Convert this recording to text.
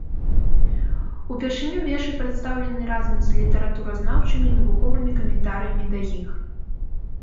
Упершыню вершы прадстаўлены разам з літаратуразнаўчымі і навуковымі каментарыямі да іх.